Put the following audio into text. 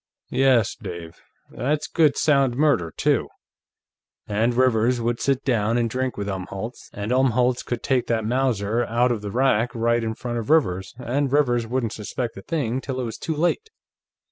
"Yes, Dave; that's good sound murder, too. And Rivers would sit down and drink with Umholtz, and Umholtz could take that Mauser out of the rack right in front of Rivers and Rivers wouldn't suspect a thing till it was too late.